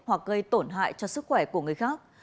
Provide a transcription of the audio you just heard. hoặc gây tổn hại cho sức khỏe của người khác